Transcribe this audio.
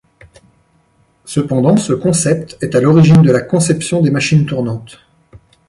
Cependant ce concept est à l'origine de la conception des machines tournantes.